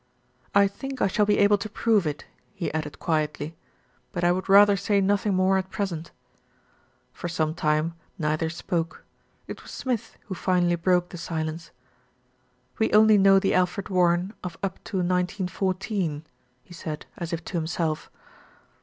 "I think I shall be able to prove it," he added quietly, "but I would rather say nothing more at present." For some time neither spoke. It was Smith who finally broke the silence. "We only know the Alfred Warren of up to 1914," he said, as if~to himself.